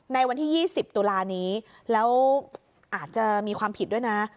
ในวันที่๒๐ตุลานี้แล้วอาจจะมีความผิดด้วยนะ